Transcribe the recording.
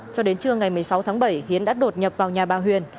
cho đến trưa ngày một mươi sáu tháng bảy hiến đã đột nhập vào nhà bà huyền